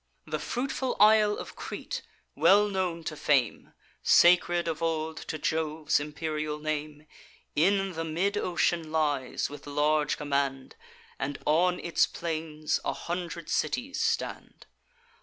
The fruitful isle of Crete, well known to fame, Sacred of old to Jove's imperial name, In the mid ocean lies, with large command, And on its plains a hundred cities stand.